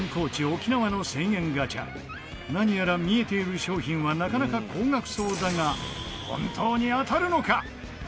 沖縄の１０００円ガチャ何やら見えている商品はなかなか高額そうだが本当に当たるのか？